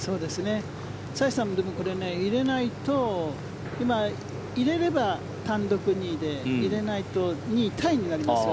サイさんこれを入れないと今、入れれば単独２位で入れないと２位タイになります。